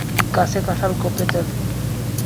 গাছে কাঁঠাল গোঁফে তেল।